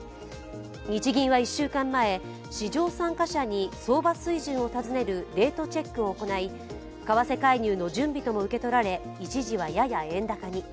日銀は１週間前、市場参加者に相場水準を尋ねるレートチェックを行い、為替介入の準備とも受け取られ一時はやや円高に。